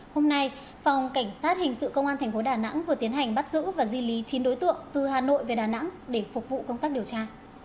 hôm nay phòng cảnh sát hình sự công an tp đà nẵng vừa tiến hành bắt giữ và di lý chín đối tượng từ hà nội về đà nẵng để phục vụ công tác điều tra